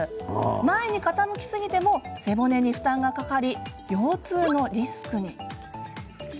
前に傾きすぎても背骨に負担がかかり腰痛のリスクに。